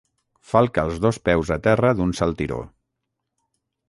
Falca els dos peus a terra d'un saltiró.